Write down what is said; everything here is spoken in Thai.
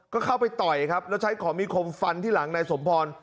ก็เข้าไปต่อยครับแล้วใช้ของมีคมฟันที่หลังนายสมพร